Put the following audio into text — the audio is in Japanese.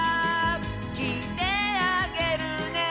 「きいてあげるね」